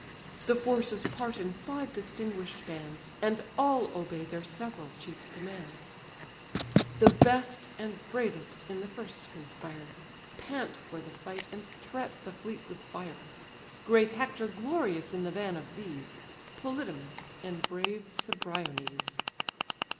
The forces part in five distinguish'd bands, And all obey their several chiefs' commands. The best and bravest in the first conspire, Pant for the fight, and threat the fleet with fire: Great Hector glorious in the van of these, Polydamas, and brave Cebriones.